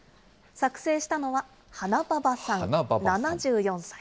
作成したのは、花ババさん７４歳。